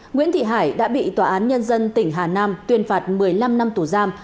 nguyễn thị hải đã bị tòa án nhân dân tỉnh hà nam tuyên phạt một mươi năm năm tù giam